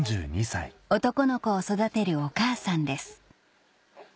男の子を育てるお母さんです